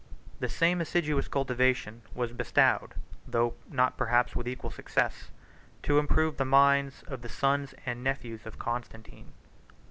32 The same assiduous cultivation was bestowed, though not perhaps with equal success, to improve the minds of the sons and nephews of Constantine.